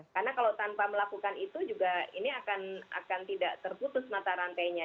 karena kalau tanpa melakukan itu juga ini akan tidak terputus mata rantainya